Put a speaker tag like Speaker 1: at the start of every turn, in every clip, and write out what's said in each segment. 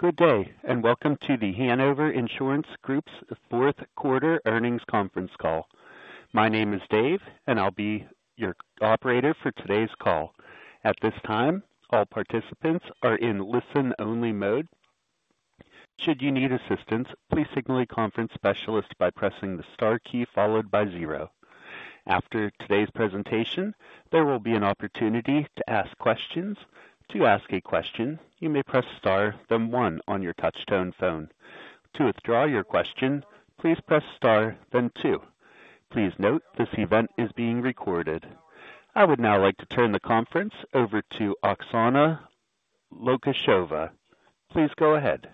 Speaker 1: Good day, and welcome to The Hanover Insurance Group's fourth quarter earnings conference call. My name is Dave, and I'll be your operator for today's call. At this time, all participants are in listen-only mode. Should you need assistance, please signal a conference specialist by pressing the star key followed by zero. After today's presentation, there will be an opportunity to ask questions. To ask a question, you may press star then one on your touchtone phone. To withdraw your question, please press star then two. Please note, this event is being recorded. I would now like to turn the conference over to Oksana Lukasheva. Please go ahead.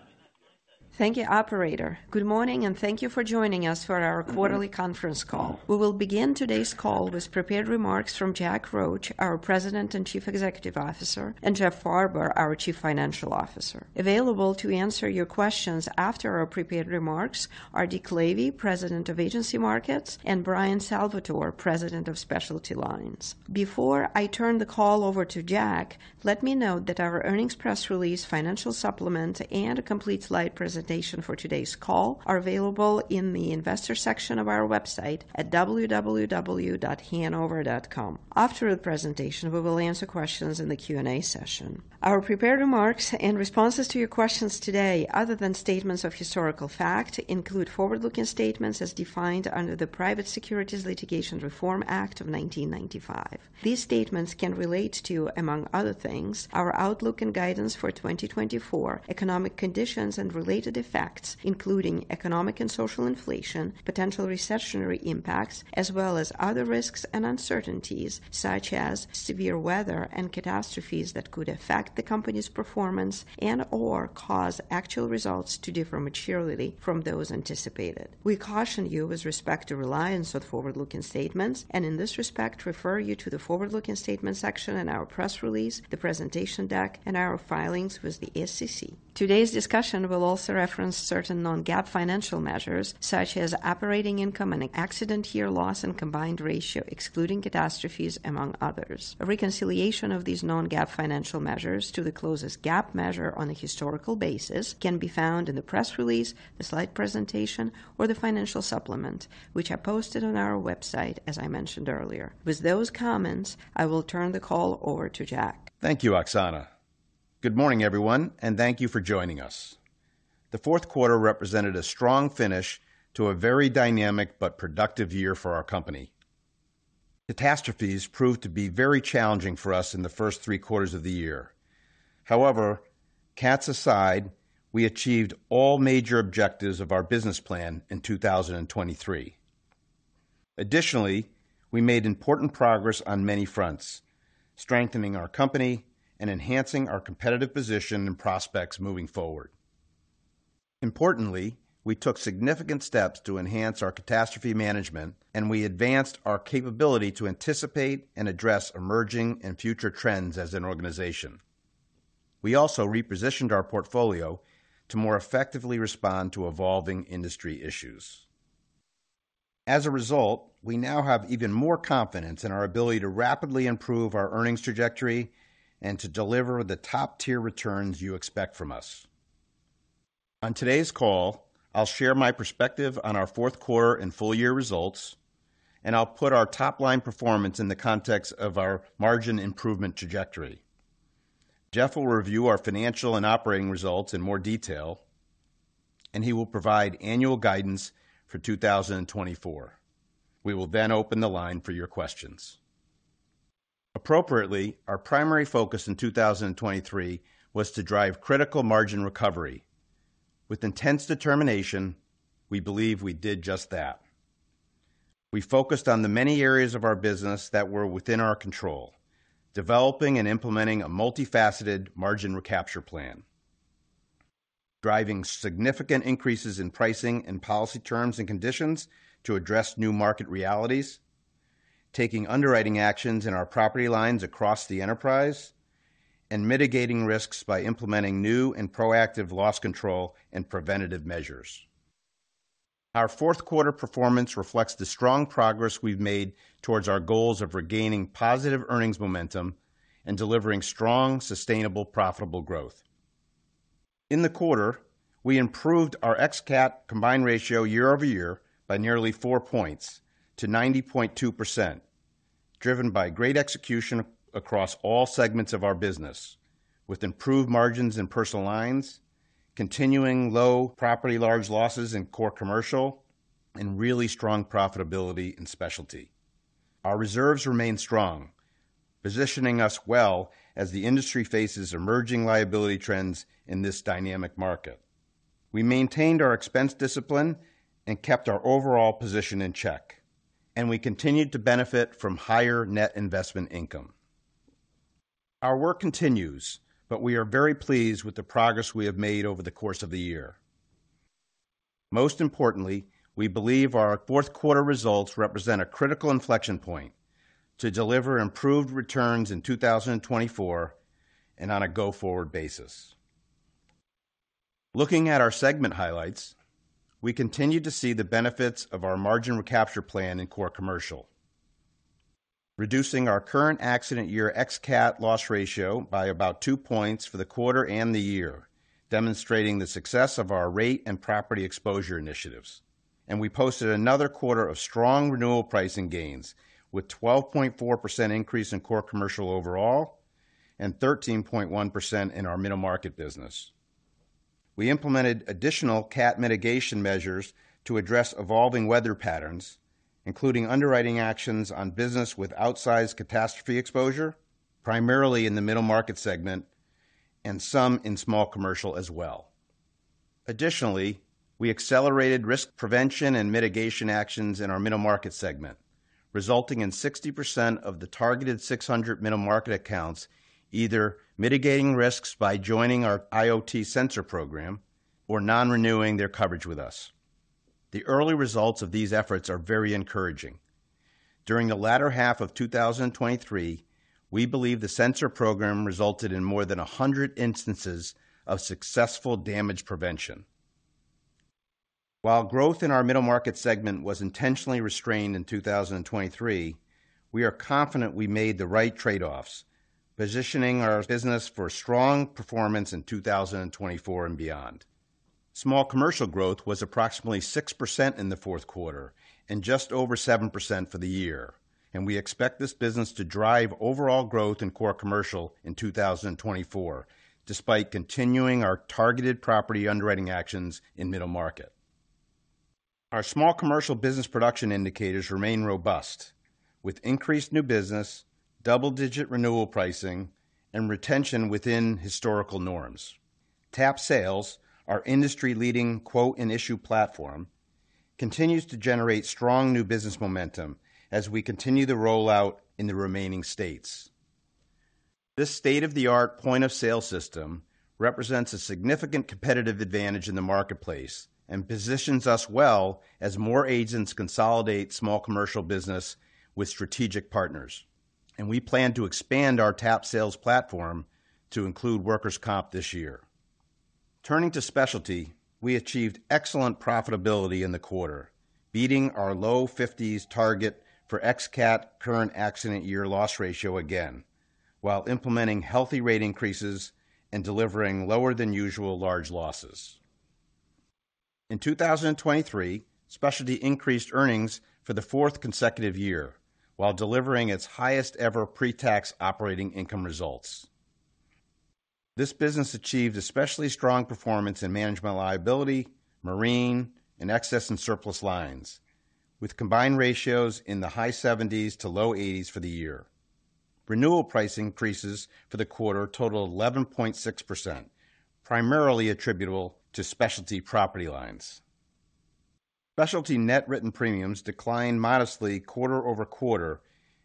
Speaker 2: Thank you, operator. Good morning, and thank you for joining us for our quarterly conference call. We will begin today's call with prepared remarks from Jack Roche, our President and Chief Executive Officer, and Jeff Farber, our Chief Financial Officer. Available to answer your questions after our prepared remarks are Dick Lavey, President of Agency Markets, and Bryan Salvatore, President of Specialty Lines. Before I turn the call over to Jack, let me note that our earnings press release, financial supplement, and a complete slide presentation for today's call are available in the investor section of our website at www.hanover.com. After the presentation, we will answer questions in the Q&A session. Our prepared remarks and responses to your questions today, other than statements of historical fact, include forward-looking statements as defined under the Private Securities Litigation Reform Act of 1995. These statements can relate to, among other things, our outlook and guidance for 2024, economic conditions and related effects, including economic and social inflation, potential recessionary impacts, as well as other risks and uncertainties, such as severe weather and catastrophes that could affect the company's performance and/or cause actual results to differ materially from those anticipated. We caution you with respect to reliance on forward-looking statements and, in this respect, refer you to the forward-looking statement section in our press release, the presentation deck, and our filings with the SEC. Today's discussion will also reference certain non-GAAP financial measures, such as operating income and accident year loss and combined ratio, excluding catastrophes, among others. A reconciliation of these non-GAAP financial measures to the closest GAAP measure on a historical basis can be found in the press release, the slide presentation, or the financial supplement, which are posted on our website, as I mentioned earlier. With those comments, I will turn the call over to Jack.
Speaker 3: Thank you, Oksana. Good morning, everyone, and thank you for joining us. The fourth quarter represented a strong finish to a very dynamic but productive year for our company. Catastrophes proved to be very challenging for us in the first three quarters of the year. However, cats aside, we achieved all major objectives of our business plan in 2023. Additionally, we made important progress on many fronts, strengthening our company and enhancing our competitive position and prospects moving forward. Importantly, we took significant steps to enhance our catastrophe management, and we advanced our capability to anticipate and address emerging and future trends as an organization. We also repositioned our portfolio to more effectively respond to evolving industry issues. As a result, we now have even more confidence in our ability to rapidly improve our earnings trajectory and to deliver the top-tier returns you expect from us. On today's call, I'll share my perspective on our fourth quarter and full year results, and I'll put our top-line performance in the context of our margin improvement trajectory. Jeff will review our financial and operating results in more detail, and he will provide annual guidance for 2024. We will then open the line for your questions. Appropriately, our primary focus in 2023 was to drive critical margin recovery. With intense determination, we believe we did just that. We focused on the many areas of our business that were within our control, developing and implementing a multifaceted margin recapture plan, driving significant increases in pricing and policy terms and conditions to address new market realities, taking underwriting actions in our property lines across the enterprise, and mitigating risks by implementing new and proactive loss control and preventative measures. Our fourth quarter performance reflects the strong progress we've made towards our goals of regaining positive earnings momentum and delivering strong, sustainable, profitable growth. In the quarter, we improved our ex-CAT combined ratio year-over-year by nearly 4 points to 90.2%, driven by great execution across all segments of our business, with improved margins in personal lines, continuing low property large losses in core commercial, and really strong profitability in specialty. Our reserves remain strong, positioning us well as the industry faces emerging liability trends in this dynamic market. We maintained our expense discipline and kept our overall position in check, and we continued to benefit from higher net investment income. Our work continues, but we are very pleased with the progress we have made over the course of the year. Most importantly, we believe our fourth quarter results represent a critical inflection point to deliver improved returns in 2024 and on a go-forward basis. Looking at our segment highlights, we continue to see the benefits of our margin recapture plan in core commercial. reducing our current accident year ex-CAT loss ratio by about 2 points for the quarter and the year, demonstrating the success of our rate and property exposure initiatives. We posted another quarter of strong renewal pricing gains, with 12.4% increase in core commercial overall and 13.1% in our middle market business. We implemented additional CAT mitigation measures to address evolving weather patterns, including underwriting actions on business with outsized catastrophe exposure, primarily in the middle market segment and some in small commercial as well. Additionally, we accelerated risk prevention and mitigation actions in our middle market segment, resulting in 60% of the targeted 600 middle market accounts, either mitigating risks by joining our IoT sensor program or non-renewing their coverage with us. The early results of these efforts are very encouraging. During the latter half of 2023, we believe the sensor program resulted in more than 100 instances of successful damage prevention. While growth in our middle market segment was intentionally restrained in 2023, we are confident we made the right trade-offs, positioning our business for strong performance in 2024 and beyond. Small commercial growth was approximately 6% in the fourth quarter and just over 7% for the year, and we expect this business to drive overall growth in core commercial in 2024, despite continuing our targeted property underwriting actions in middle market. Our small commercial business production indicators remain robust, with increased new business, double-digit renewal pricing, and retention within historical norms. TAP Sales, our industry-leading quote-and-issue platform, continues to generate strong new business momentum as we continue the rollout in the remaining states. This state-of-the-art point-of-sale system represents a significant competitive advantage in the marketplace and positions us well as more agents consolidate small commercial business with strategic partners. We plan to expand our TAP Sales platform to include workers' comp this year. Turning to Specialty, we achieved excellent profitability in the quarter, beating our low 50s target for ex-CAT current accident year loss ratio again, while implementing healthy rate increases and delivering lower than usual large losses. In 2023, Specialty increased earnings for the fourth consecutive year while delivering its highest-ever pre-tax operating income results. This business achieved especially strong performance in management liability, Marine, and Excess and Surplus Lines, with Combined Ratios in the high 70s-low 80s for the year. Renewal price increases for the quarter totaled 11.6%, primarily attributable to specialty property lines. Specialty net written premiums declined modestly quarter-over-quarter,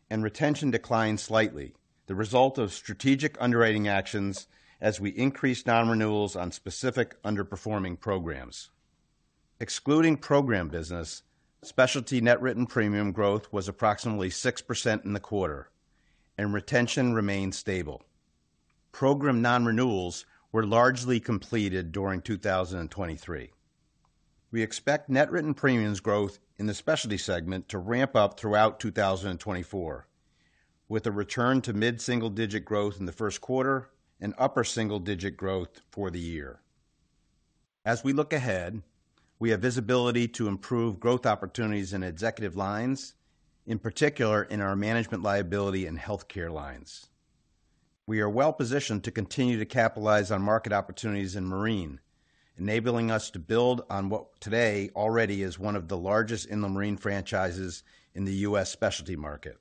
Speaker 3: and retention declined slightly, the result of strategic underwriting actions as we increased nonrenewals on specific underperforming programs. Excluding program business, specialty net written premium growth was approximately 6% in the quarter, and retention remained stable. Program nonrenewals were largely completed during 2023. We expect net written premiums growth in the Specialty segment to ramp up throughout 2024, with a return to mid-single-digit growth in the first quarter and upper single-digit growth for the year. As we look ahead, we have visibility to improve growth opportunities in Executive Lines, in particular in our management liability, and healthcare lines. We are well-positioned to continue to capitalize on market opportunities in Marine, enabling us to build on what today already is one of the largest in the Marine franchises in the U.S. specialty market.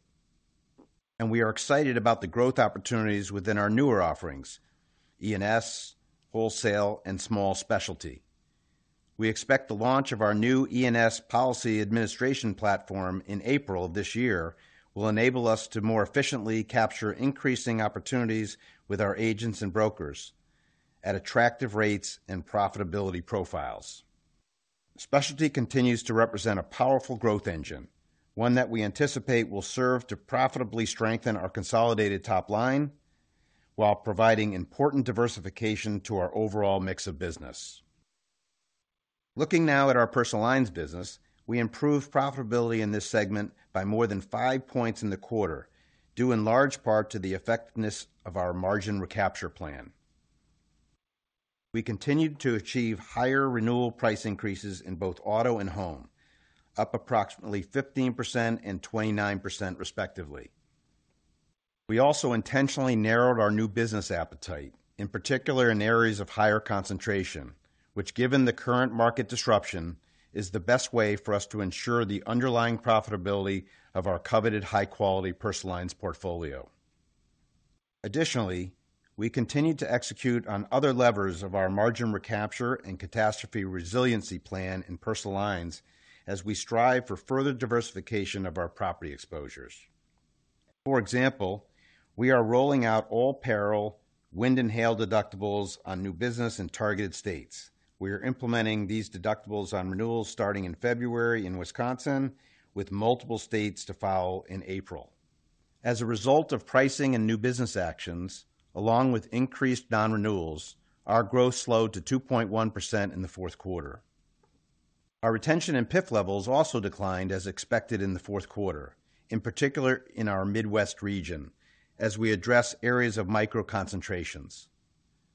Speaker 3: We are excited about the growth opportunities within our newer offerings, E&S, Wholesale, and Small Specialty. We expect the launch of our new E&S policy administration platform in April of this year will enable us to more efficiently capture increasing opportunities with our agents and brokers at attractive rates and profitability profiles. Specialty continues to represent a powerful growth engine, one that we anticipate will serve to profitably strengthen our consolidated top line while providing important diversification to our overall mix of business. Looking now at our Personal Lines business, we improved profitability in this segment by more than 5 points in the quarter, due in large part to the effectiveness of our margin recapture plan. We continued to achieve higher renewal price increases in both auto and home, up approximately 15% and 29% respectively. We also intentionally narrowed our new business appetite, in particular in areas of higher concentration, which, given the current market disruption, is the best way for us to ensure the underlying profitability of our coveted high-quality Personal Lines portfolio. Additionally, we continued to execute on other levers of our margin recapture and catastrophe resiliency plan in Personal Lines as we strive for further diversification of our property exposures. For example, we are rolling out all peril, wind and hail deductibles on new business in targeted states. We are implementing these deductibles on renewals starting in February in Wisconsin, with multiple states to follow in April. As a result of pricing and new business actions, along with increased nonrenewals, our growth slowed to 2.1% in the fourth quarter. Our retention in PIF levels also declined as expected in the fourth quarter, in particular in our Midwest region, as we address areas of micro-concentrations.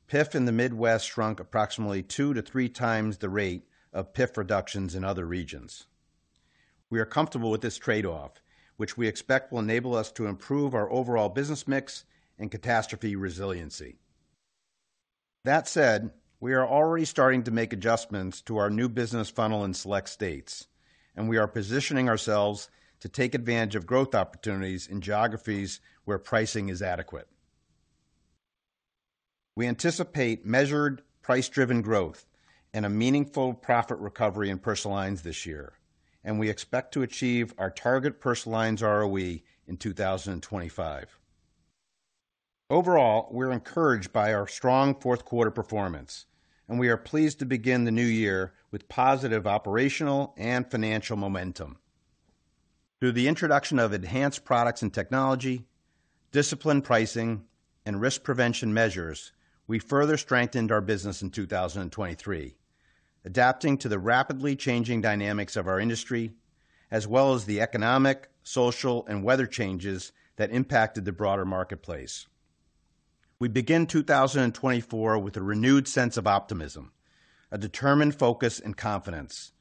Speaker 3: PIF in the Midwest shrunk approximately 2x-3x the rate of PIF reductions in other regions. We are comfortable with this trade-off, which we expect will enable us to improve our overall business mix and catastrophe resiliency. That said, we are already starting to make adjustments to our new business funnel in select states, and we are positioning ourselves to take advantage of growth opportunities in geographies where pricing is adequate. We anticipate measured price-driven growth and a meaningful profit recovery in Personal Lines this year, and we expect to achieve our target Personal Lines ROE in 2025. Overall, we're encouraged by our strong fourth quarter performance, and we are pleased to begin the new year with positive operational and financial momentum. Through the introduction of enhanced products and technology, disciplined pricing, and risk prevention measures, we further strengthened our business in 2023, adapting to the rapidly changing dynamics of our industry, as well as the economic, social, and weather changes that impacted the broader marketplace. We begin 2024 with a renewed sense of optimism, a determined focus and confidence,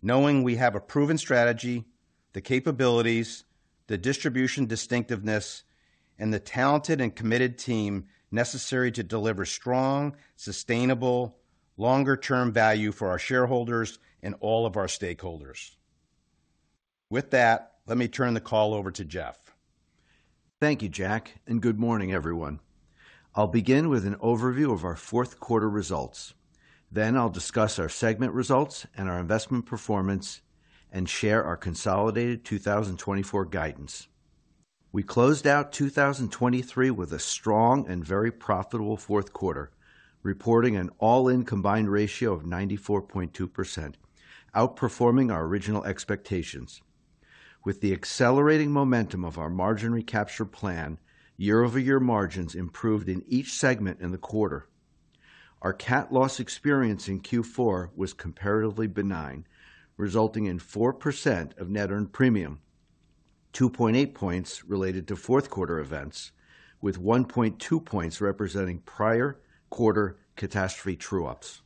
Speaker 3: knowing we have a proven strategy, the capabilities, the distribution distinctiveness, and the talented and committed team necessary to deliver strong, sustainable, longer-term value for our shareholders and all of our stakeholders. With that, let me turn the call over to Jeff.
Speaker 4: Thank you, Jack, and good morning, everyone. I'll begin with an overview of our fourth quarter results. Then I'll discuss our segment results and our investment performance and share our consolidated 2024 guidance. We closed out 2023 with a strong and very profitable fourth quarter, reporting an all-in combined ratio of 94.2%, outperforming our original expectations. With the accelerating momentum of our margin recapture plan, year-over-year margins improved in each segment in the quarter. Our CAT loss experience in Q4 was comparatively benign, resulting in 4% of net earned premium, 2.8 points related to fourth quarter events, with 1.2 points representing prior quarter catastrophe true-ups.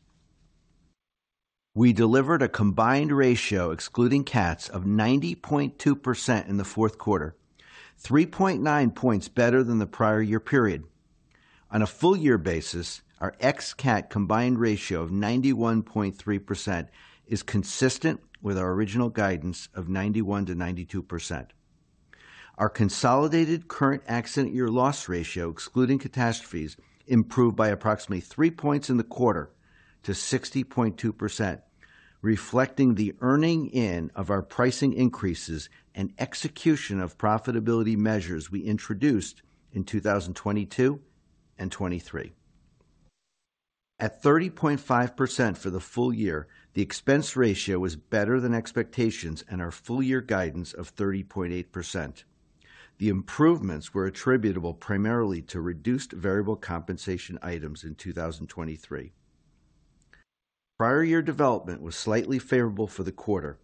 Speaker 4: We delivered a combined ratio excluding cats of 90.2% in the fourth quarter, 3.9 points better than the prior year period. On a full year basis, our ex-CAT combined ratio of 91.3% is consistent with our original guidance of 91%-92%. Our consolidated current accident year loss ratio, excluding catastrophes, improved by approximately 3 points in the quarter to 60.2%, reflecting the earning in of our pricing increases and execution of profitability measures we introduced in 2022 and 2023. At 30.5% for the full year, the expense ratio was better than expectations and our full-year guidance of 30.8%. The improvements were attributable primarily to reduced variable compensation items in 2023. Prior year development was slightly favorable for the quarter.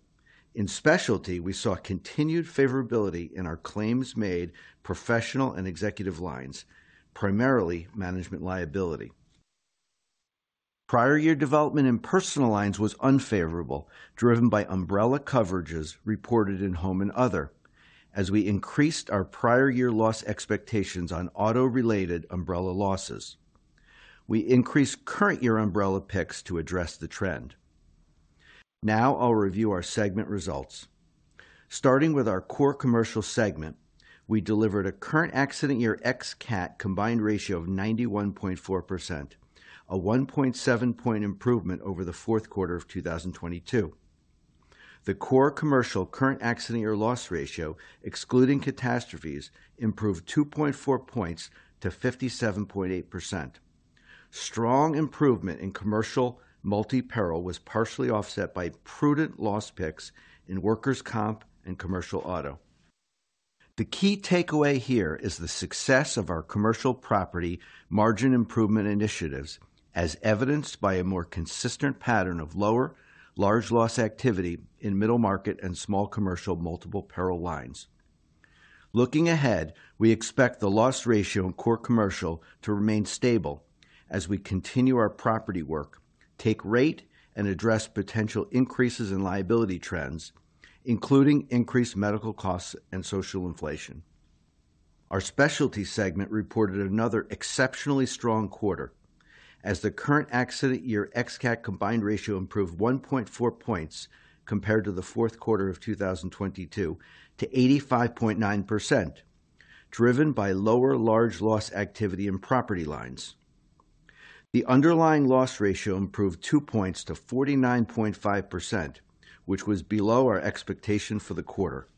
Speaker 4: In Specialty, we saw continued favorability in our claims made professional and executive lines, primarily management liability. Prior year development in Personal Lines was unfavorable, driven by umbrella coverages reported in home and other, as we increased our prior year loss expectations on auto-related umbrella losses. We increased current year umbrella picks to address the trend. Now I'll review our segment results. starting with our core commercial segment, we delivered a current accident ex-CAT combined ratio of 91.4%, a 1.7-point improvement over the fourth quarter of 2022. The core commercial current accident year loss ratio, excluding catastrophes, improved 2.4 points to 57.8%. Strong improvement in commercial multi-peril was partially offset by prudent loss picks in workers' comp and commercial auto. The key takeaway here is the success of our commercial property margin improvement initiatives, as evidenced by a more consistent pattern of lower large loss activity in middle market and small commercial multiple peril lines. Looking ahead, we expect the loss ratio in core commercial to remain stable as we continue our property work, take rate, and address potential increases in liability trends, including increased medical costs and social inflation. Our specialty segment reported another exceptionally strong quarter as the current accident ex-CAT combined ratio improved 1.4 points compared to the fourth quarter of 2022 to 85.9%, driven by lower large loss activity in property lines. The underlying loss ratio improved 2 points to 49.5%, which was below our expectation for the quarter.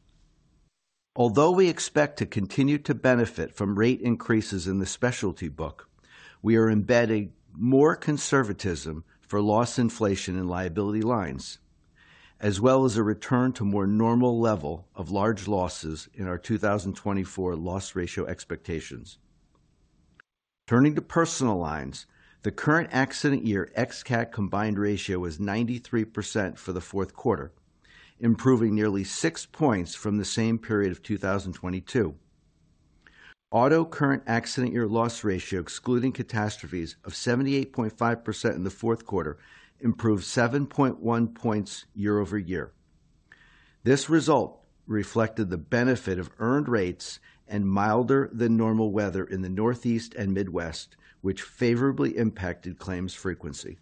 Speaker 4: Although we expect to continue to benefit from rate increases in the specialty book, we are embedding more conservatism for loss inflation in liability lines, as well as a return to more normal level of large losses in our 2024 loss ratio expectations. Turning to personal lines, the current accident year ex-CAT combined ratio is 93% for the fourth quarter, improving nearly 6 points from the same period of 2022. Auto current accident year loss ratio, excluding catastrophes, of 78.5% in the fourth quarter, improved 7.1 points year-over-year. This result reflected the benefit of earned rates and milder than normal weather in the Northeast and Midwest, which favorably impacted claims frequency.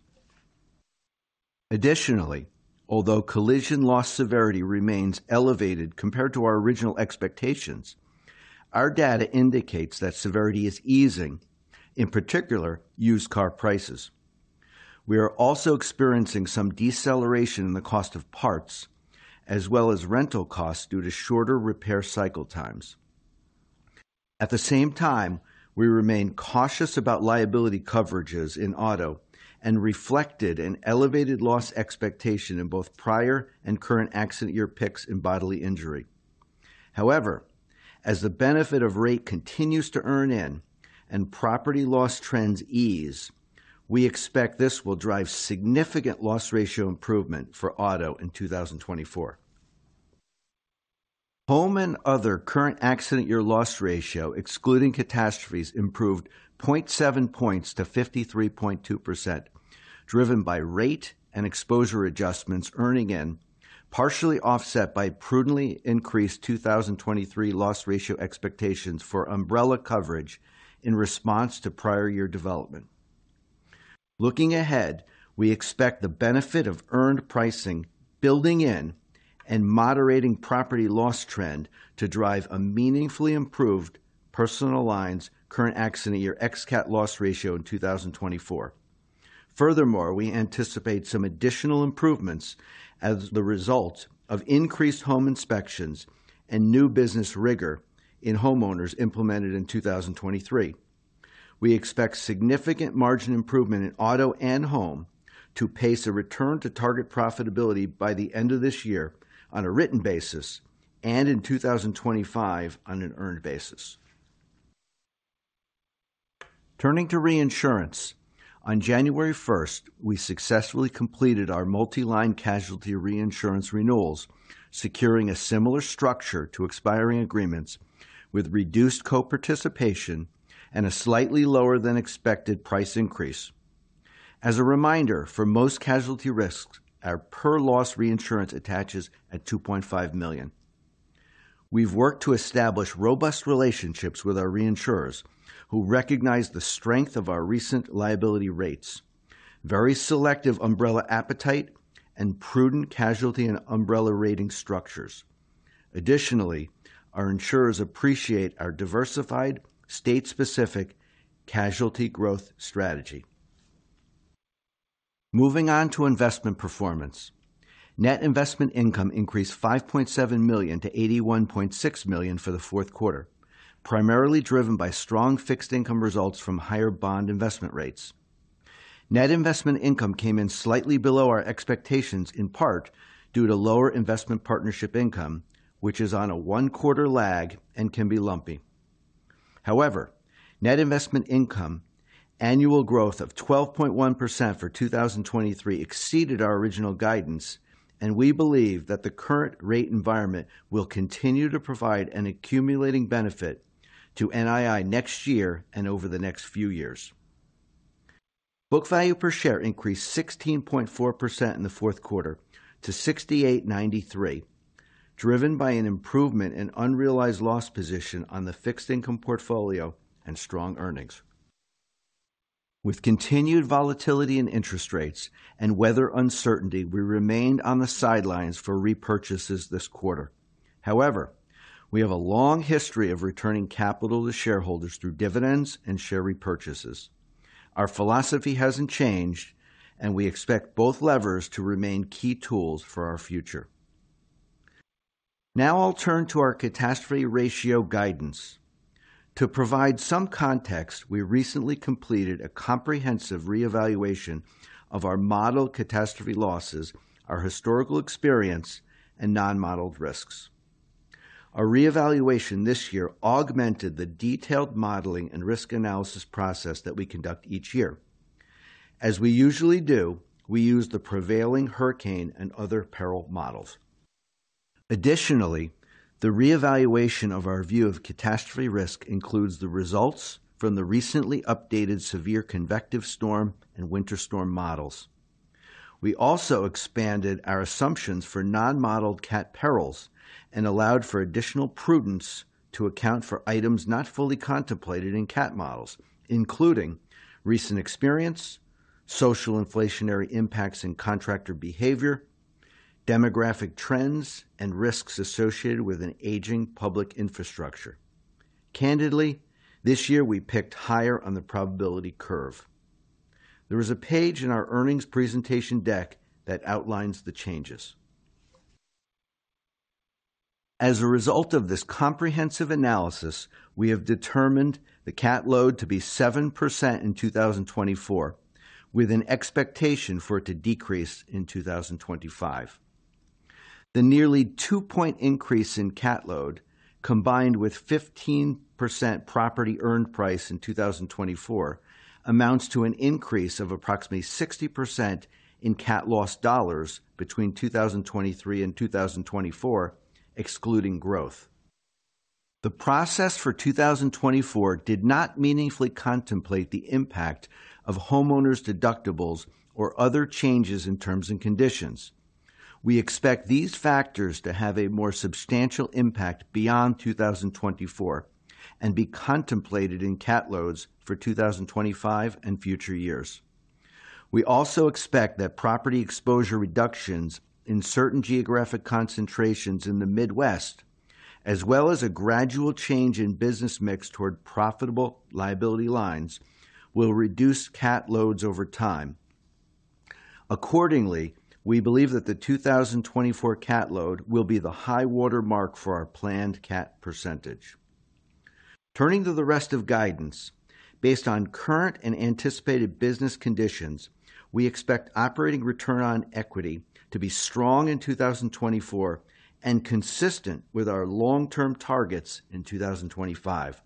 Speaker 4: Additionally, although collision loss severity remains elevated compared to our original expectations, our data indicates that severity is easing, in particular, used car prices. We are also experiencing some deceleration in the cost of parts, as well as rental costs due to shorter repair cycle times. At the same time, we remain cautious about liability coverages in auto and reflected an elevated loss expectation in both prior and current accident year picks in bodily injury. However, as the benefit of rate continues to earn in and property loss trends ease, we expect this will drive significant loss ratio improvement for auto in 2024. Home and other current accident year loss ratio, excluding catastrophes, improved 0.7 points to 53.2%, driven by rate and exposure adjustments earning in, partially offset by prudently increased 2023 loss ratio expectations for umbrella coverage in response to prior year development. Looking ahead, we expect the benefit of earned pricing building in and moderating property loss trend to drive a meaningfully improved personal lines current accident year ex-CAT loss ratio in 2024. Furthermore, we anticipate some additional improvements as the result of increased home inspections and new business rigor in homeowners implemented in 2023. We expect significant margin improvement in auto and home to pace a return to target profitability by the end of this year on a written basis and in 2025 on an earned basis. Turning to reinsurance. On January first, we successfully completed our multi-line casualty reinsurance renewals, securing a similar structure to expiring agreements with reduced co-participation and a slightly lower-than-expected price increase. As a reminder, for most casualty risks, our per-loss reinsurance attaches at $2.5 million. We've worked to establish robust relationships with our reinsurers, who recognize the strength of our recent liability rates, very selective umbrella appetite, and prudent casualty and umbrella rating structures. Additionally, our insurers appreciate our diversified, state-specific casualty growth strategy. Moving on to investment performance. Net Investment Income increased $5.7 million to $81.6 million for the fourth quarter, primarily driven by strong fixed income results from higher bond investment rates. Net Investment Income came in slightly below our expectations, in part due to lower investment partnership income, which is on a one-quarter lag and can be lumpy. However, Net Investment Income annual growth of 12.1% for 2023 exceeded our original guidance, and we believe that the current rate environment will continue to provide an accumulating benefit to NII next year and over the next few years. Book value per share increased 16.4% in the fourth quarter to $68.93, driven by an improvement in unrealized loss position on the fixed income portfolio and strong earnings. With continued volatility in interest rates and weather uncertainty, we remained on the sidelines for repurchases this quarter. However, we have a long history of returning capital to shareholders through dividends and share repurchases. Our philosophy hasn't changed, and we expect both levers to remain key tools for our future. Now I'll turn to our catastrophe ratio guidance. To provide some context, we recently completed a comprehensive reevaluation of our model catastrophe losses, our historical experience, and non-modeled risks. Our reevaluation this year augmented the detailed modeling and risk analysis process that we conduct each year. As we usually do, we use the prevailing hurricane and other peril models. Additionally, the reevaluation of our view of catastrophe risk includes the results from the recently updated severe convective storm and winter storm models. We also expanded our assumptions for non-modeled CAT perils and allowed for additional prudence to account for items not fully contemplated in CAT models, including recent experience, social inflationary impacts in contractor behavior, demographic trends, and risks associated with an aging public infrastructure. Candidly, this year we picked higher on the probability curve. There is a page in our earnings presentation deck that outlines the changes. As a result of this comprehensive analysis, we have determined the CAT load to be 7% in 2024, with an expectation for it to decrease in 2025. The nearly 2-point increase in CAT load, combined with 15% property earned price in 2024, amounts to an increase of approximately 60% in CAT loss dollars between 2023 and 2024, excluding growth. The process for 2024 did not meaningfully contemplate the impact of homeowners' deductibles or other changes in terms and conditions. We expect these factors to have a more substantial impact beyond 2024 and be contemplated in CAT loads for 2025 and future years. We also expect that property exposure reductions in certain geographic concentrations in the Midwest, as well as a gradual change in business mix toward profitable liability lines, will reduce CAT loads over time. Accordingly, we believe that the 2024 CAT load will be the high water mark for our planned cat percentage. Turning to the rest of guidance. Based on current and anticipated business conditions, we expect operating return on equity to be strong in 2024 and consistent with our long-term targets in 2025.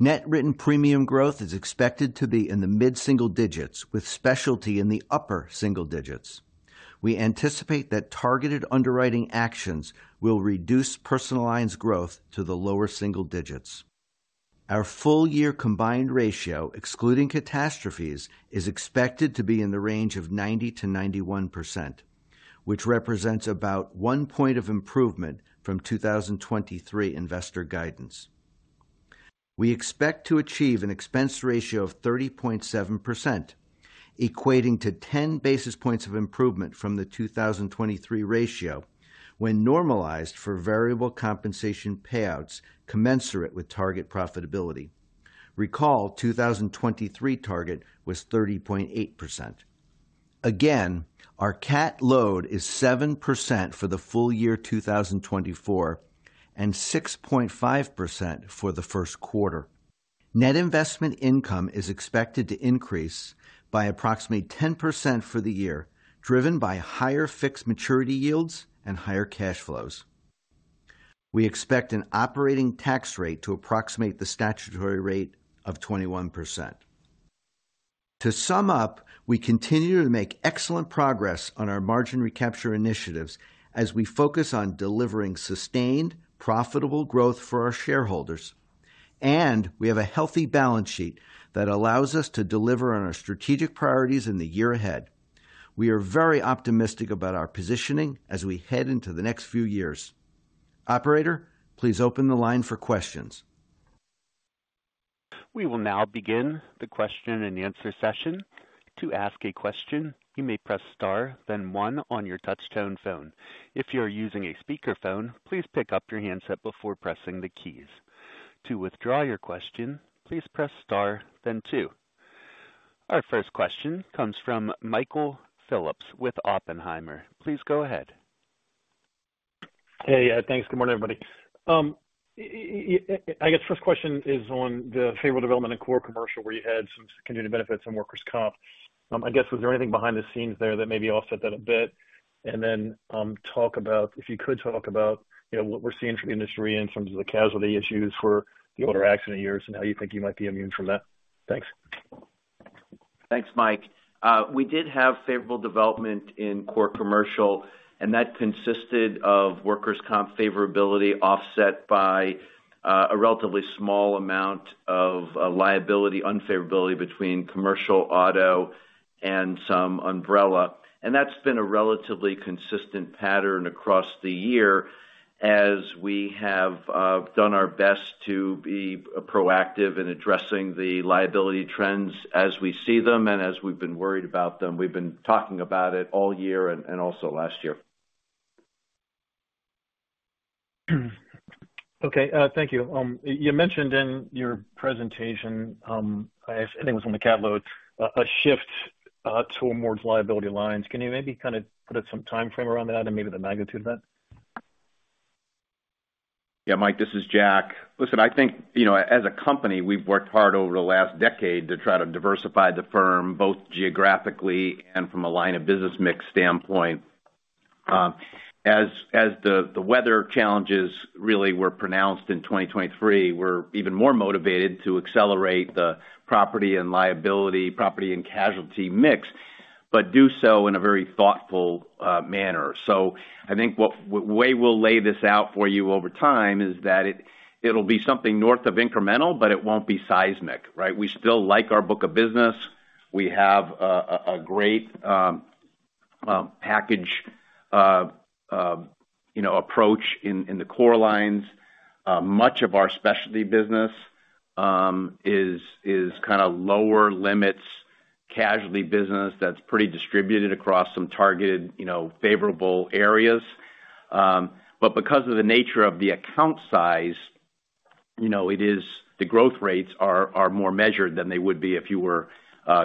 Speaker 4: Net written premium growth is expected to be in the mid-single digits, with Specialty in the upper single digits. We anticipate that targeted underwriting actions will reduce Personal Lines growth to the lower single digits. Our full year combined ratio, excluding catastrophes, is expected to be in the range of 90%-91%, which represents about 1 point of improvement from 2023 investor guidance. We expect to achieve an expense ratio of 30.7%, equating to 10 basis points of improvement from the 2023 ratio when normalized for variable compensation payouts commensurate with target profitability. Recall, 2023 target was 30.8%. Again, our CAT load is 7% for the full year 2024, and 6.5% for the first quarter. Net investment income is expected to increase by approximately 10% for the year, driven by higher fixed maturity yields and higher cash flows. We expect an operating tax rate to approximate the statutory rate of 21%. To sum up, we continue to make excellent progress on our margin recapture initiatives as we focus on delivering sustained, profitable growth for our shareholders, and we have a healthy balance sheet that allows us to deliver on our strategic priorities in the year ahead. We are very optimistic about our positioning as we head into the next few years. Operator, please open the line for questions.
Speaker 1: We will now begin the question-and-answer session. To ask a question, you may press star, then one on your touchtone phone. If you are using a speakerphone, please pick up your handset before pressing the keys. To withdraw your question, please press star then two. Our first question comes from Michael Phillips with Oppenheimer. Please go ahead.
Speaker 5: Hey, thanks. Good morning, everybody. I guess first question is on the favorable development in core commercial, where you had some community benefits and workers' comp. I guess, was there anything behind the scenes there that maybe offset that a bit? And then, talk about—if you could talk about, you know, what we're seeing from the industry in terms of the casualty issues for the older accident years and how you think you might be immune from that? Thanks.
Speaker 4: Thanks, Mike. We did have favorable development in core commercial, and that consisted of workers' comp favorability, offset by a relatively small amount of liability unfavorability between commercial auto and some umbrella. And that's been a relatively consistent pattern across the year as we have done our best to be proactive in addressing the liability trends as we see them, and as we've been worried about them. We've been talking about it all year and also last year.
Speaker 5: Okay, thank you. You mentioned in your presentation, I think it was on the CAT load, a shift to a more liability lines. Can you maybe kind of put up some timeframe around that and maybe the magnitude of that?
Speaker 3: Yeah, Mike, this is Jack. Listen, I think, you know, as a company, we've worked hard over the last decade to try to diversify the firm, both geographically and from a line of business mix standpoint. As the weather challenges really were pronounced in 2023, we're even more motivated to accelerate the property and liability, property and casualty mix, but do so in a very thoughtful manner. So I think way we'll lay this out for you over time is that it, it'll be something north of incremental, but it won't be seismic, right? We still like our book of business. We have a great package approach in the core lines. Much of our specialty business is kind of lower limits casualty business that's pretty distributed across some targeted, you know, favorable areas. But because of the nature of the account size, you know, it is, the growth rates are more measured than they would be if you were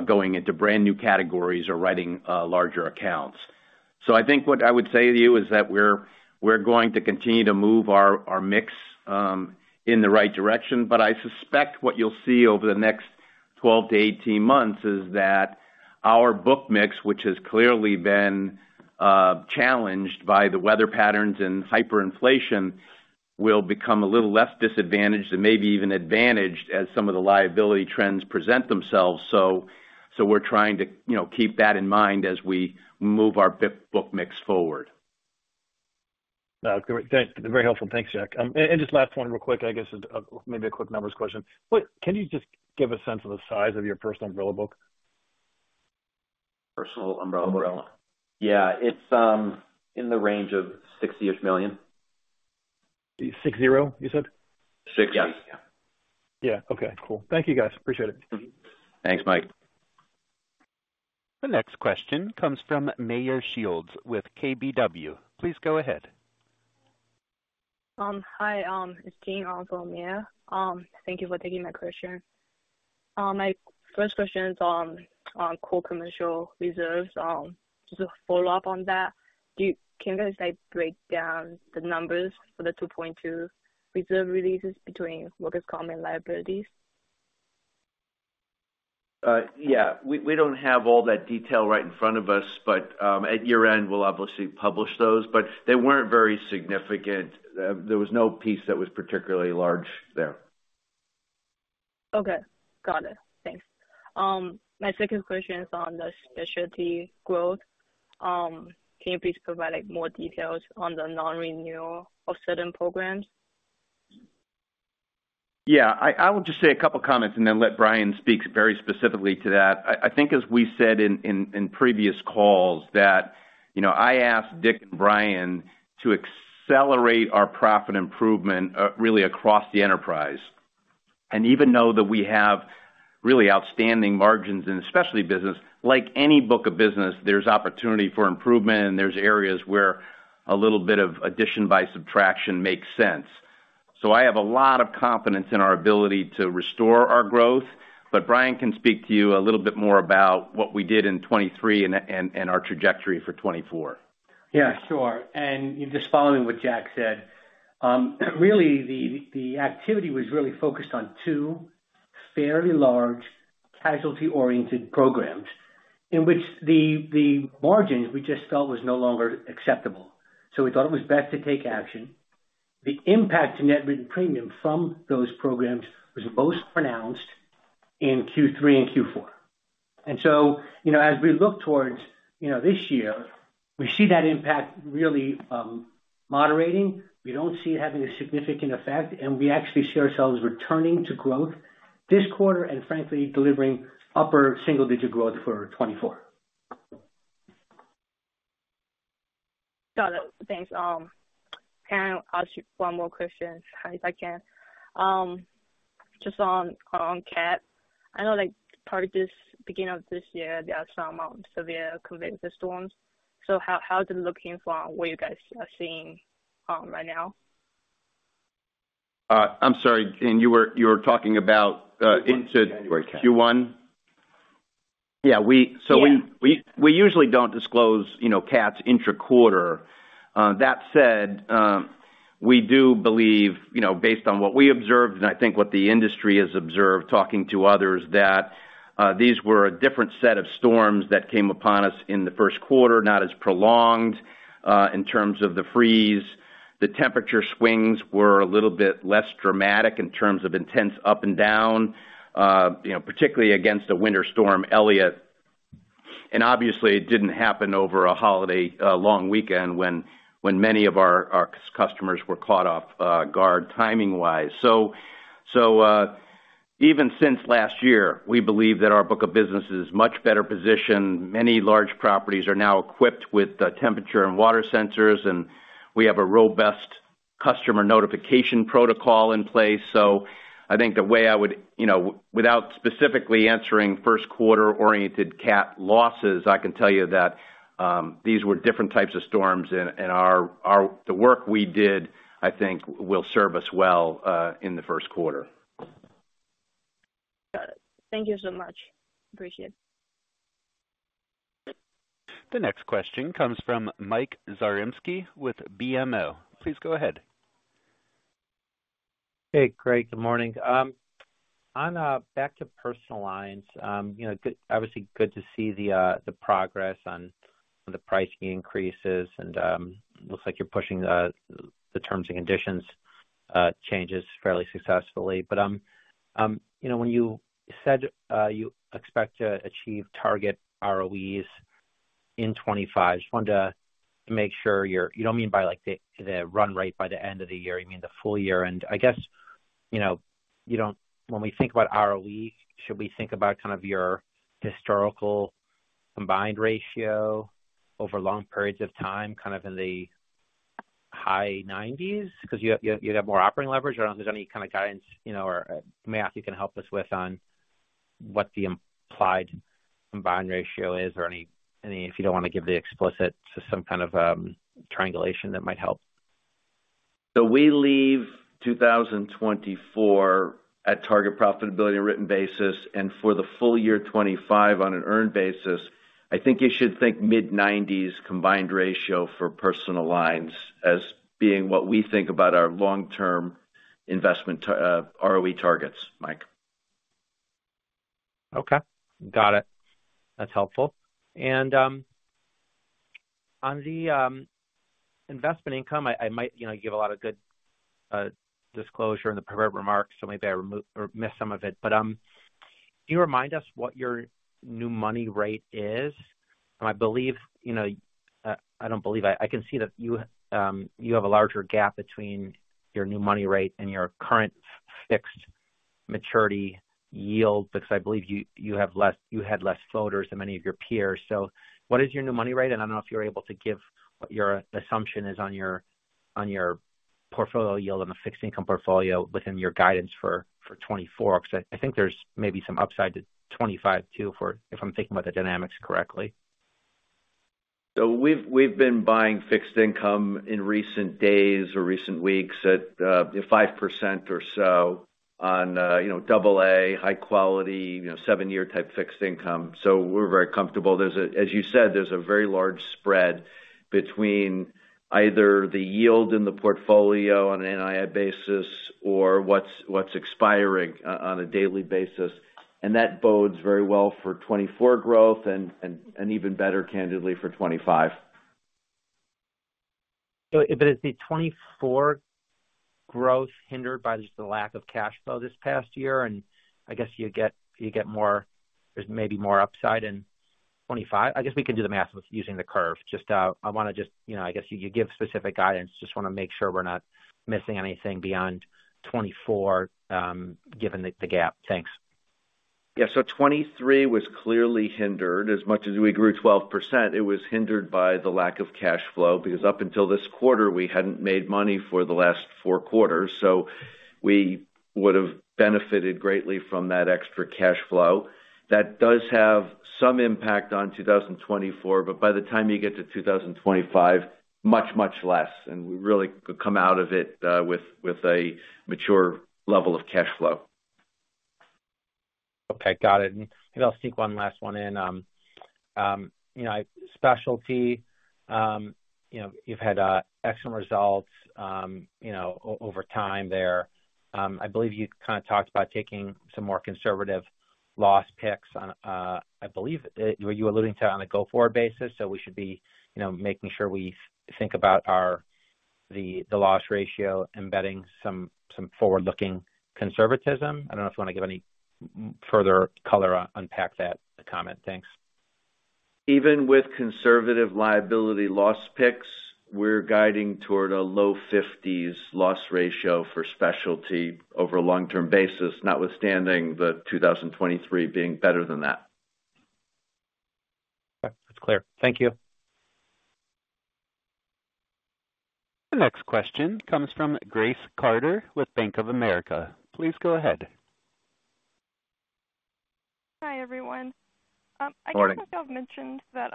Speaker 3: going into brand-new categories or writing larger accounts. So I think what I would say to you is that we're going to continue to move our mix in the right direction, but I suspect what you'll see over the next 12-18 months is that our book mix, which has clearly been challenged by the weather patterns and hyperinflation, will become a little less disadvantaged and maybe even advantaged as some of the liability trends present themselves. So, so we're trying to, you know, keep that in mind as we move our book mix forward.
Speaker 5: Great. Thanks. Very helpful. Thanks, Jack. Just last one real quick, I guess, maybe a quick numbers question. Can you just give a sense of the size of your personal umbrella book?
Speaker 3: Personal umbrella.
Speaker 4: Yeah, it's in the range of $60-ish million.
Speaker 5: $60 million, you said?
Speaker 4: Six, yes.
Speaker 3: Yeah.
Speaker 5: Yeah. Okay, cool. Thank you, guys. Appreciate it.
Speaker 4: Thanks, Mike.
Speaker 1: The next question comes from Meyer Shields with KBW. Please go ahead.
Speaker 6: Hi, it's Jean from Meyer. Thank you for taking my question. My first question is on core commercial reserves. Just a follow-up on that. Can you guys, like, break down the numbers for the 2.2 reserve releases between workers' comp and liabilities?
Speaker 4: Yeah, we don't have all that detail right in front of us, but at year-end, we'll obviously publish those, but they weren't very significant. There was no piece that was particularly large there.
Speaker 6: Okay, got it. Thanks. My second question is on the specialty growth. Can you please provide, like, more details on the non-renewal of certain programs?
Speaker 3: Yeah, I will just say a couple comments and then let Bryan speak very specifically to that. I think, as we said in previous calls, that, you know, I asked Dick and Bryan to accelerate our profit improvement really across the enterprise. And even though that we have really outstanding margins in the specialty business, like any book of business, there's opportunity for improvement, and there's areas where a little bit of addition by subtraction makes sense. So I have a lot of confidence in our ability to restore our growth, but Bryan can speak to you a little bit more about what we did in 2023 and our trajectory for 2024.
Speaker 7: Yeah, sure. And just following what Jack said, really, the activity was really focused on two fairly large casualty-oriented programs, in which the margins we just felt was no longer acceptable, so we thought it was best to take action. The impact to Net Written Premium from those programs was most pronounced in Q3 and Q4. And so, you know, as we look towards, you know, this year, we see that impact really, moderating. We don't see it having a significant effect, and we actually see ourselves returning to growth this quarter and frankly, delivering upper single-digit growth for 2024.
Speaker 6: Got it. Thanks. Can I ask you one more question, if I can? Just on, on cat, I know, like, part of this beginning of this year, there are some severe convective storms. So how, how is it looking from what you guys are seeing right now?
Speaker 3: I'm sorry, Jean, you were talking about,
Speaker 7: Q1.
Speaker 3: Q1? Yeah, we-
Speaker 6: Yeah.
Speaker 3: So we usually don't disclose, you know, CATs intra-quarter. That said, we do believe, you know, based on what we observed, and I think what the industry has observed, talking to others, that these were a different set of storms that came upon us in the first quarter, not as prolonged, in terms of the freeze. The temperature swings were a little bit less dramatic in terms of intense up and down, you know, particularly against the Winter Storm Elliott. And obviously, it didn't happen over a holiday, long weekend when many of our customers were caught off guard timing-wise. So even since last year, we believe that our book of business is much better positioned. Many large properties are now equipped with temperature and water sensors, and we have a robust customer notification protocol in place. So I think the way I would, you know, without specifically answering first quarter-oriented CAT losses, I can tell you that these were different types of storms and the work we did, I think, will serve us well in the first quarter.
Speaker 6: Got it. Thank you so much. Appreciate it.
Speaker 1: The next question comes from Mike Zaremski with BMO. Please go ahead.
Speaker 8: Hey, Craig. Good morning. Back to personal lines, you know, obviously good to see the progress on the pricing increases and, you know, when you said you expect to achieve target ROEs in 2025, just wanted to make sure you don't mean by, like, the run rate by the end of the year, you mean the full year. And I guess, you know, when we think about ROE, should we think about kind of your historical combined ratio over long periods of time, kind of in the high nineties? Because you'd have more operating leverage. I don't know if there's any kind of guidance, you know, or math you can help us with on what the implied combined ratio is or any. If you don't want to give the explicit to some kind of, triangulation, that might help.
Speaker 3: So we leave 2024 at target profitability and written basis, and for the full year 2025 on an earned basis, I think you should think mid-90s combined ratio for personal lines as being what we think about our long-term investment, ROE targets, Mike.
Speaker 8: Okay, got it. That's helpful. And, on the investment income, I might, you know, give a lot of good disclosure in the prepared remarks, so maybe I remove or miss some of it. But, can you remind us what your new money rate is? And I believe, you know, I don't believe I can see that you have a larger gap between your new money rate and your current fixed maturity yield, because I believe you had less floaters than many of your peers. So what is your new money rate? I don't know if you're able to give what your assumption is on your portfolio yield on the fixed income portfolio within your guidance for 2024, because I think there's maybe some upside to 2025 too, for if I'm thinking about the dynamics correctly.
Speaker 3: So we've been buying fixed income in recent days or recent weeks at 5% or so on, you know, AA, high quality, you know, seven-year type fixed income. So we're very comfortable. There's a. As you said, there's a very large spread between either the yield in the portfolio on an NII basis or what's expiring on a daily basis. And that bodes very well for 2024 growth and even better, candidly, for 2025.
Speaker 8: But, is the 2024 growth hindered by just the lack of cash flow this past year? And I guess you get more—there's maybe more upside in 2025. I guess we can do the math with using the curve. Just, I wanna just, you know, I guess you give specific guidance. Just wanna make sure we're not missing anything beyond 2024, given the gap. Thanks.
Speaker 3: Yeah, so 2023 was clearly hindered. As much as we grew 12%, it was hindered by the lack of cash flow, because up until this quarter, we hadn't made money for the last four quarters, so we would've benefited greatly from that extra cash flow. That does have some impact on 2024, but by the time you get to 2025, much, much less, and we really could come out of it with a mature level of cash flow.
Speaker 8: Okay, got it. And I'll sneak one last one in. You know, specialty, you know, you've had excellent results, you know, over time there. I believe you kind of talked about taking some more conservative loss picks on, I believe, were you alluding to on a go-forward basis? So we should be, you know, making sure we think about our, the loss ratio, embedding some forward-looking conservatism. I don't know if you want to give any further color or unpack that comment. Thanks.
Speaker 3: Even with conservative liability loss picks, we're guiding toward a low 50s loss ratio for specialty over a long-term basis, notwithstanding the 2023 being better than that.
Speaker 8: Okay, that's clear. Thank you.
Speaker 1: The next question comes from Grace Carter with Bank of America. Please go ahead.
Speaker 9: Hi, everyone.
Speaker 3: Morning.
Speaker 9: I think you've mentioned that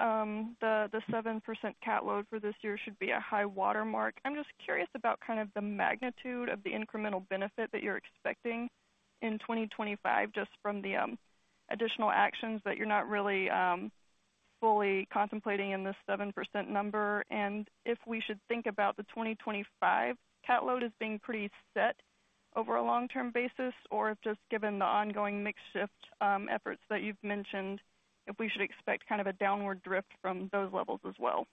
Speaker 9: the 7% CAT load for this year should be a high watermark. I'm just curious about kind of the magnitude of the incremental benefit that you're expecting in 2025, just from the additional actions that you're not really fully contemplating in this 7% number. And if we should think about the 2025 CAT load as being pretty set over a long-term basis, or if just given the ongoing mix shift efforts that you've mentioned, if we should expect kind of a downward drift from those levels as well.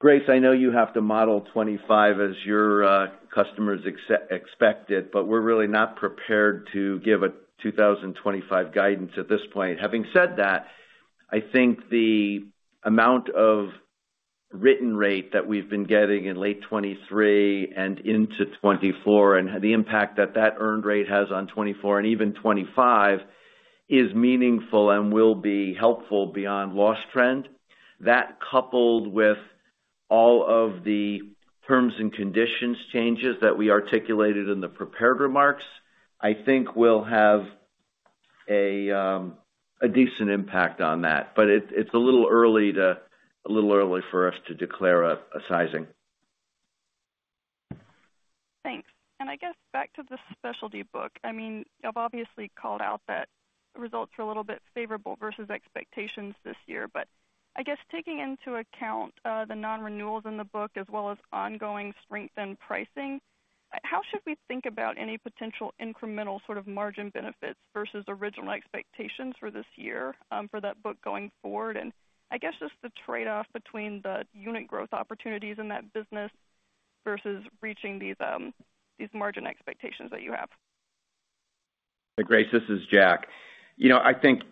Speaker 4: Grace, I know you have to model 2025 as your customers expect it, but we're really not prepared to give a 2025 guidance at this point. Having said that, I think the amount of written rate that we've been getting in late 2023 and into 2024, and the impact that that earned rate has on 2024 and even 2025, is meaningful and will be helpful beyond loss trend. That, coupled with all of the terms and conditions changes that we articulated in the prepared remarks, I think will have a decent impact on that. But it's a little early to a little early for us to declare a sizing.
Speaker 9: Thanks. And I guess back to the specialty book. I mean, you've obviously called out that results are a little bit favorable versus expectations this year. But I guess taking into account, the non-renewals in the book, as well as ongoing strength and pricing, how should we think about any potential incremental sort of margin benefits versus original expectations for this year, for that book going forward? And I guess just the trade-off between the unit growth opportunities in that business versus reaching these, these margin expectations that you have.
Speaker 3: Hey, Grace, this is Jack. You know, I think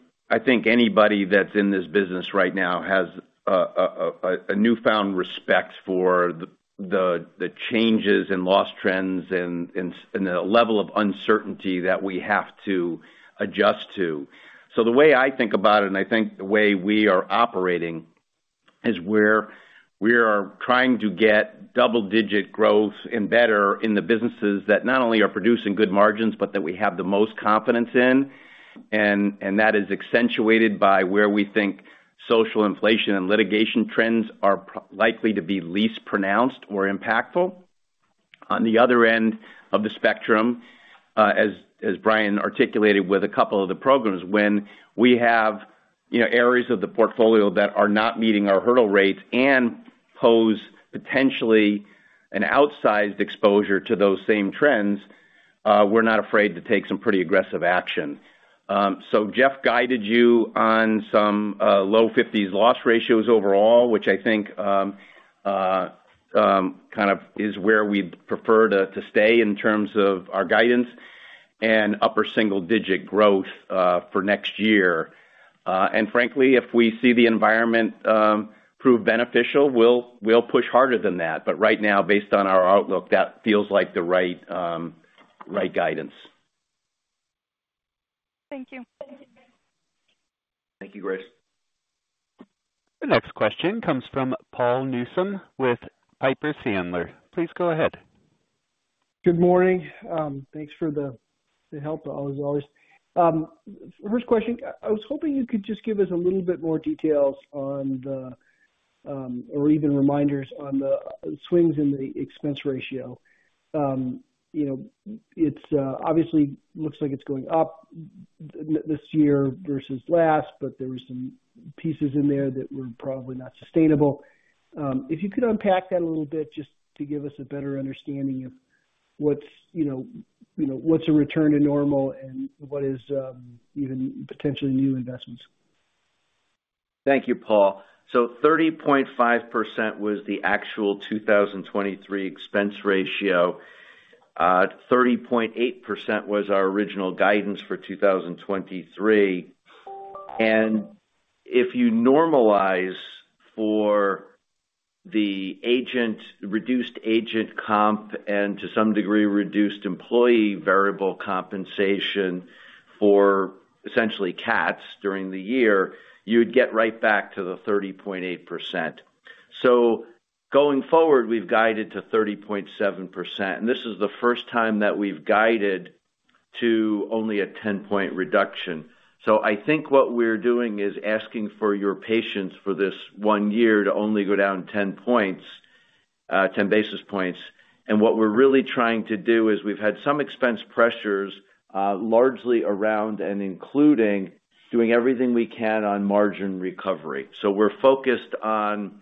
Speaker 3: anybody that's in this business right now has a newfound respect for the changes in loss trends and the level of uncertainty that we have to adjust to. So the way I think about it, and I think the way we are operating, is we're trying to get double-digit growth and better in the businesses that not only are producing good margins, but that we have the most confidence in. And that is accentuated by where we think social inflation and litigation trends are likely to be least pronounced or impactful. On the other end of the spectrum, as Bryan articulated with a couple of the programs, when we have, you know, areas of the portfolio that are not meeting our hurdle rates and pose potentially an outsized exposure to those same trends, we're not afraid to take some pretty aggressive action. So Jeff guided you on some low fifties loss ratios overall, which I think kind of is where we'd prefer to stay in terms of our guidance and upper single-digit growth for next year. And frankly, if we see the environment prove beneficial, we'll push harder than that. But right now, based on our outlook, that feels like the right guidance.
Speaker 10: Thank you.
Speaker 3: Thank you, Grace.
Speaker 1: The next question comes from Paul Newsome with Piper Sandler. Please go ahead.
Speaker 11: Good morning. Thanks for the help, as always. First question, I was hoping you could just give us a little bit more details on the, or even reminders on the swings in the expense ratio. You know, it obviously looks like it's going up this year versus last, but there were some pieces in there that were probably not sustainable. If you could unpack that a little bit, just to give us a better understanding of what's, you know, what's a return to normal and what is even potentially new investments?
Speaker 4: Thank you, Paul. So 30.5% was the actual 2023 expense ratio. 30.8% was our original guidance for 2023. And if you normalize for the agent reduced agent comp and to some degree, reduced employee variable compensation for essentially CATs during the year, you'd get right back to the 30.8%. So going forward, we've guided to 30.7%, and this is the first time that we've guided to only a 10-point reduction. So I think what we're doing is asking for your patience for this one year to only go down 10 points, 10 basis points. And what we're really trying to do is we've had some expense pressures, largely around and including doing everything we can on margin recovery. We're focused on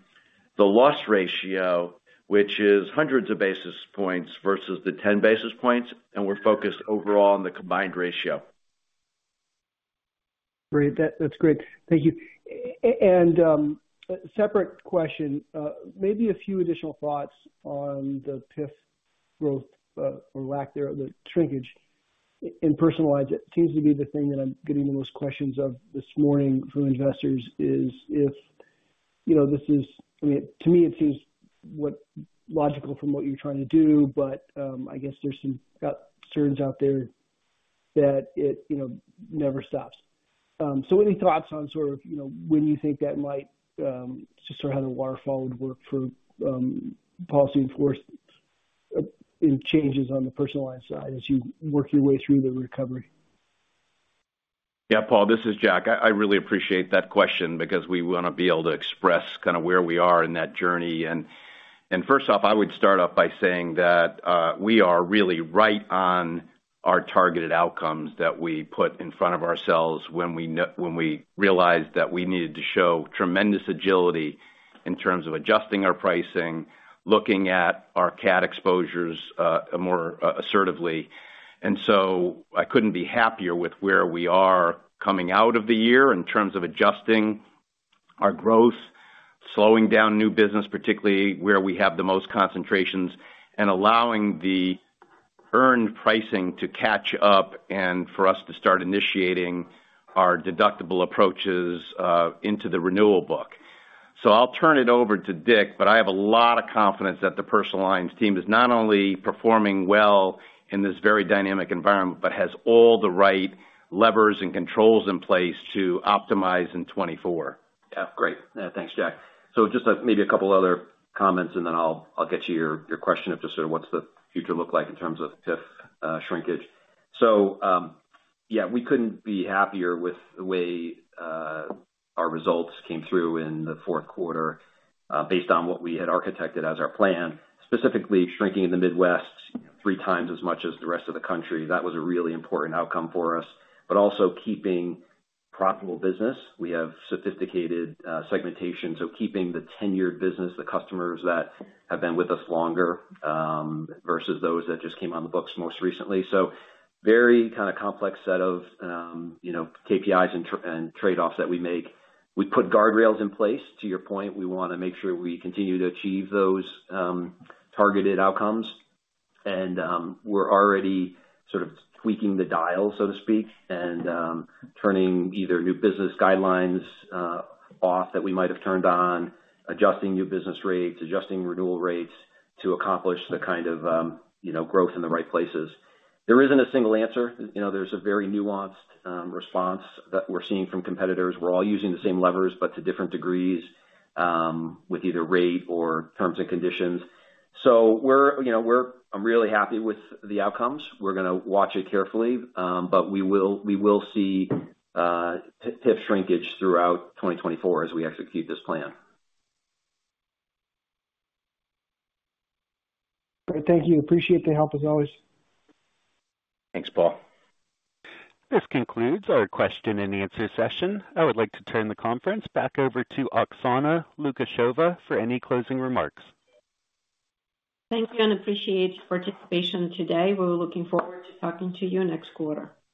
Speaker 4: the loss ratio, which is hundreds of basis points versus the 10 basis points, and we're focused overall on the combined ratio.
Speaker 11: Great. That's great. Thank you. And a separate question, maybe a few additional thoughts on the PIF growth, or lack thereof, the shrinkage in Personal Lines. It seems to be the thing that I'm getting the most questions about this morning from investors, is if, you know, this is—I mean, to me, it seems quite logical from what you're trying to do, but, I guess there's some concerns out there that it, you know, never stops. So any thoughts on sort of, you know, when you think that might, just sort of how the waterfall would work for PIF movement and changes on the Personal Lines side as you work your way through the recovery?
Speaker 3: Yeah, Paul, this is Jack. I really appreciate that question because we want to be able to express kind of where we are in that journey. And first off, I would start off by saying that we are really right on our targeted outcomes that we put in front of ourselves when we realized that we needed to show tremendous agility in terms of adjusting our pricing, looking at our CAT exposures more assertively. And so I couldn't be happier with where we are coming out of the year in terms of adjusting our growth, slowing down new business, particularly where we have the most concentrations, and allowing the earned pricing to catch up and for us to start initiating our deductible approaches into the renewal book. So I'll turn it over to Dick, but I have a lot of confidence that the personal lines team is not only performing well in this very dynamic environment, but has all the right levers and controls in place to optimize in 2024.
Speaker 12: Yeah. Great. Thanks, Jack. So just maybe a couple other comments, and then I'll get to your question of just sort of what's the future look like in terms of PIF shrinkage. So, yeah, we couldn't be happier with the way our results came through in the fourth quarter, based on what we had architected as our plan, specifically shrinking in the Midwest 3x as much as the rest of the country. That was a really important outcome for us, but also keeping profitable business. We have sophisticated segmentation, so keeping the tenured business, the customers that have been with us longer versus those that just came on the books most recently. So very kind of complex set of, you know, KPIs and trade-offs that we make. We put guardrails in place. To your point, we want to make sure we continue to achieve those targeted outcomes. And we're already sort of tweaking the dial, so to speak, and turning either new business guidelines off that we might have turned on, adjusting new business rates, adjusting renewal rates to accomplish the kind of, you know, growth in the right places. There isn't a single answer. You know, there's a very nuanced response that we're seeing from competitors. We're all using the same levers, but to different degrees, with either rate or terms and conditions. So we're, you know, really happy with the outcomes. We're gonna watch it carefully, but we will see PIF shrinkage throughout 2024 as we execute this plan.
Speaker 11: Great. Thank you. Appreciate the help, as always.
Speaker 4: Thanks, Paul.
Speaker 1: This concludes our question and answer session. I would like to turn the conference back over to Oksana Lukasheva for any closing remarks.
Speaker 2: Thank you, and appreciate your participation today. We're looking forward to talking to you next quarter.